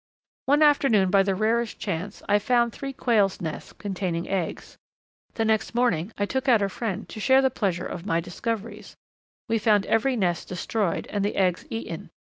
One afternoon by the rarest chance I found three Quails' nests containing eggs. The next morning I took out a friend to share the pleasure of my discoveries. We found every nest destroyed and the eggs eaten.